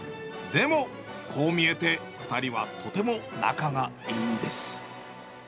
でも、こう見えて、２人はとても仲がいいんです。